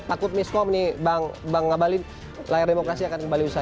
akut miskom nih bang ngabalin layar demokrasi akan kembali usai